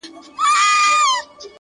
مثبت انسان ناامیدي کمزورې کوي,